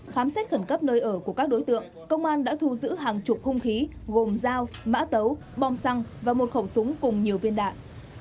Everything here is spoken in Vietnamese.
khám xét khẩn cấp nơi ở của các đối tượng công an đã thu giữ hàng chục hung khí gồm dao mã tấu bom xăng và một khẩu súng cùng nhiều viên đạn